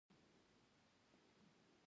• د ورځې تودوخه بدن ته حرکت ورکوي.